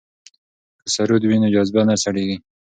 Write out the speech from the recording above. که سرود وي نو جذبه نه سړیږي.